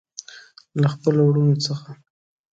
له خپلو وروڼو څخه.